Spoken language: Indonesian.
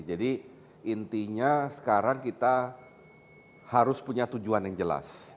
jadi intinya sekarang kita harus punya tujuan yang jelas